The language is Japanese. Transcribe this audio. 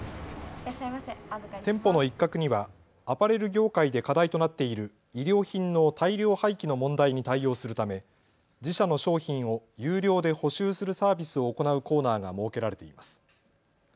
店舗の一角にはアパレル業界で課題となっている衣料品の大量廃棄の問題に対応するため、自社の商品を有料で補修するサービスを行うコーナーが設けられています。